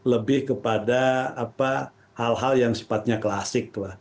lebih kepada hal hal yang sepatnya klasik